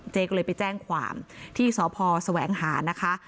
ก็เลยไปแจ้งความที่สพแสวงหานะคะ